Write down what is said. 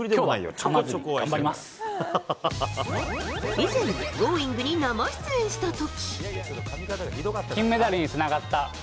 以前、「Ｇｏｉｎｇ！」に生出演した時。